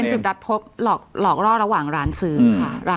จุดนัดพบหลอกล่อระหว่างร้านซื้อค่ะ